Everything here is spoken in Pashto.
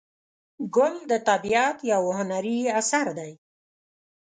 ګل د طبیعت یو هنري اثر دی.